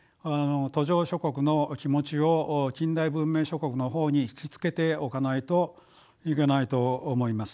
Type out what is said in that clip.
途上諸国の気持ちを近代文明諸国の方に引き付けておかないといけないと思います。